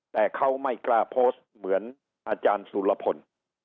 แต่เขาไม่กล้าโพสต์เหมือนอาจารย์สุรพล